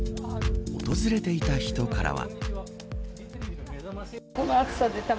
訪れていた人からは。